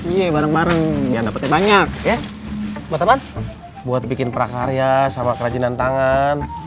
ya bareng bareng banyak buat bikin prakarya sama kerajinan tangan